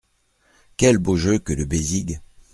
Quel beau jeu que le bésigue !